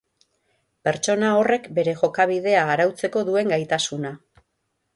Pertsona horrek bere jokabidea arautzeko duen gaitasuna